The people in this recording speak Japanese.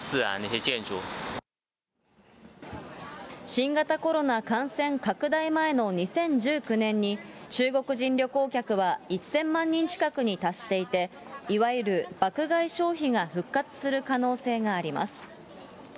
新型コロナ感染拡大前の２０１９年に、中国人旅行客は１０００万人近くに達していて、いわゆる爆買い消費が復活する可能性があります。